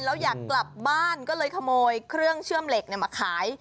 แล้วอยากกลับบ้านก็เลยขโมยเครื่องเชื่อมเหล็กมาขาย